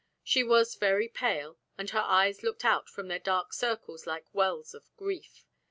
She was very pale, and her eyes looked out from their dark circles like wells of grief.